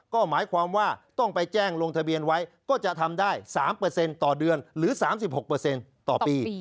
ก็หมายความว่าต้องไปแจ้งลงทะเบียนไว้ก็จะทำได้๓ต่อเดือนหรือ๓๖ต่อปี